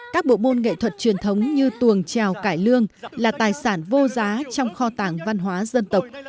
các bộ môn nghệ thuật truyền thống như tuồng trèo cải lương là tài sản vô giá trong kho tàng văn hóa dân tộc